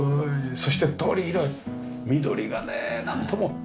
そして緑がねえなんとも。